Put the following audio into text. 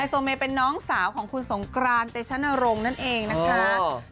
โซเมเป็นน้องสาวของคุณสงกรานเตชนรงค์นั่นเองนะคะ